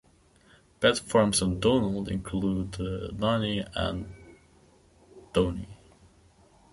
Pet forms of "Donald" include "Donnie" and "Donny".